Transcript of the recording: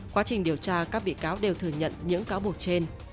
quá trình điều tra các bị cáo đều thừa nhận những cáo buộc trên